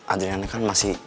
adriana kan masih